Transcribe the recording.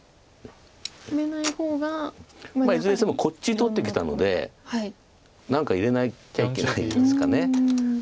いずれにしてもこっち取ってきたので何か入れなきゃいけないですかね。